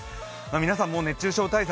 皆さん、もう熱中症対策